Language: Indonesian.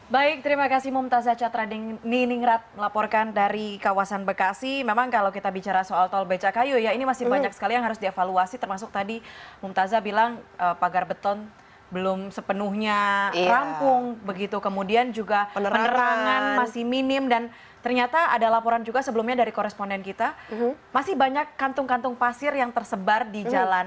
baik terima kasih mumtazah catrading niningrat melaporkan dari kawasan bekasi memang kalau kita bicara soal tol becak kayu ya ini masih banyak sekali yang harus dievaluasi termasuk tadi mumtazah bilang pagar beton belum sepenuhnya rampung begitu kemudian juga penerangan masih minim dan ternyata ada laporan juga sebelumnya dari koresponden kita masih banyak kantung kantung pasir yang tersebar di jalan ini